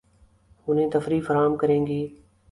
انھیں تفریح فراہم کریں گی